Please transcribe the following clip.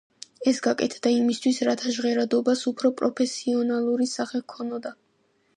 ეს გაკეთდა იმისთვის, რათა ჟღერადობას უფრო პროფესიონალური სახე ჰქონოდა.